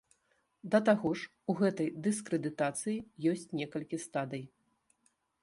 Да таго ж, у гэтай дыскрэдытацыі ёсць некалькі стадый.